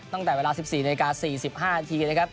ตั้งแต่เวลา๑๔นาที๑๔๔๕นะครับ